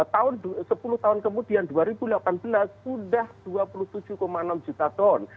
tahun sepuluh tahun kemudian dua ribu delapan belas sudah dua puluh tujuh enam juta ton